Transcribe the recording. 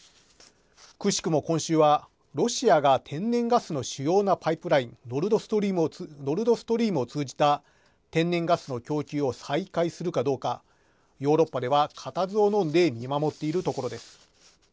くしくも、今週はロシアが天然ガスの主要なパイプラインノルドストリームを通じた天然ガスの供給を再開するかどうかヨーロッパでは、かたずをのんで見守っているところです。